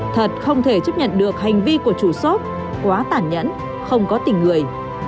thật không thể chấp nhận được hành vi của chủ shop quá tản nhẫn không có tình người